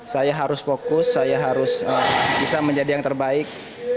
saya harus fokus saya harus bisa menjadi yang terbaik